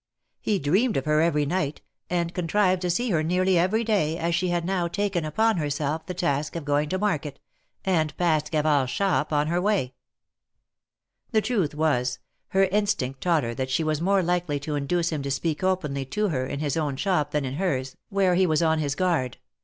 He dreamed of her every night, and contrived 'to see her nearly every day, as she had now taken upon herself the task of going to market, and passed Gavard's shop on her way. 198 THE MARKETS OF PARIS. The truth was, her instinct taught her that she was more likely to induce him to speak openly to her in his own shop than in hers, where he was on his guard.